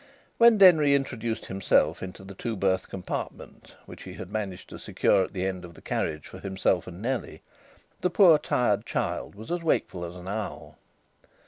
When Denry introduced himself into the two berth compartment which he had managed to secure at the end of the carriage for himself and Nellie, the poor tired child was as wakeful as an owl.